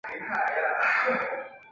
崇祯七年卒。